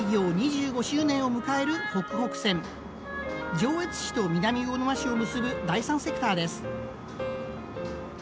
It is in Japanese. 上越市と南魚沼市を結ぶ第三セクターです。